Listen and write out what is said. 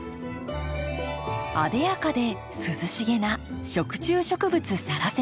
艶やかで涼しげな食虫植物サラセニア。